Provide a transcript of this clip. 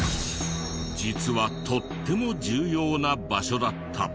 実はとっても重要な場所だった。